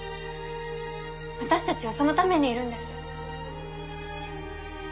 私たちはそのためにいるんです。